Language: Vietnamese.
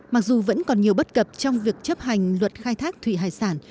mặc dù vẫn còn nhiều bất cập trong việc chấp hành luật khai thác thủy hải sản